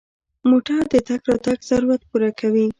موټر د تګ راتګ ضرورت پوره کوي.